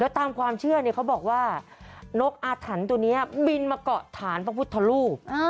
ตามความเชื่อเขาบอกว่านกอาถรรพ์ตัวนี้บินมาเกาะฐานพระพุทธรูป